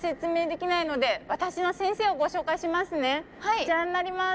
こちらになります！